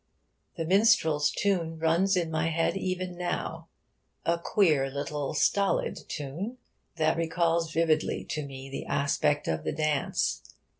That minstrel's tune runs in my head even now a queer little stolid tune that recalls vividly to me the aspect of the dance.